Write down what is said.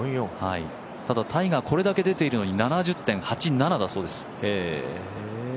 ただタイガーこれだけ出ているのに７０．８７だそうです。